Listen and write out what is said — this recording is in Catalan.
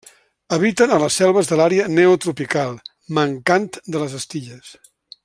Habiten a les selves de l'àrea Neotropical, mancant de les Antilles.